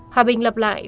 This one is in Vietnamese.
hòa bình lập lại